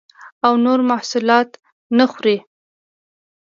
او نور محصولات نه خوري